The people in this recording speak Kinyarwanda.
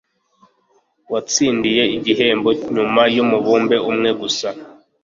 uwatsindiye igihembo nyuma yumubumbe umwe gusa